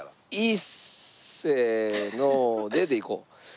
「いっせーので」でいこう。